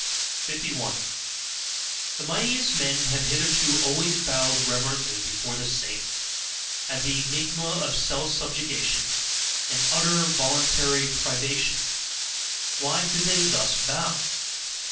51. The mightiest men have hitherto always bowed reverently before the saint, as the enigma of self subjugation and utter voluntary privation why did they thus bow?